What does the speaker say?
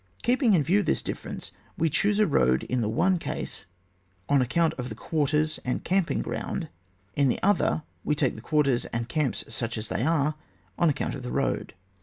Keeping in view this diflerence, we choose a road in the one case on account of the quarters and camping g^und, in the other we take the quarters and camps such as they are, on account of the road.